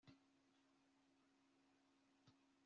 ntiwakumva ukuntu nishimye kuba ndikumwe nawe uyu mwanya